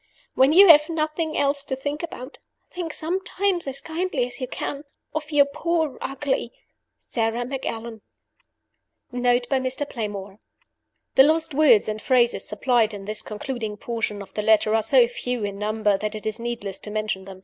When you have nothing else to think about, think sometimes, as kindly as you can, of your poor, ugly "SARA MACALLAN." Note by Mr. Playmore: The lost words and phrases supplied in this concluding portion of the letter are so few in number that it is needless to mention them.